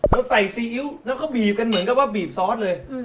เราใส่ซีอิ๊วแล้วก็บีบกันเหมือนกับว่าบีบซอสเลย